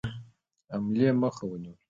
حملې مخه ونیوله.